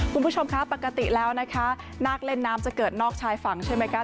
คุณผู้ชมคะปกติแล้วนะคะนาคเล่นน้ำจะเกิดนอกชายฝั่งใช่ไหมคะ